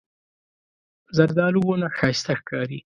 زردالو ونه ښایسته ښکاري.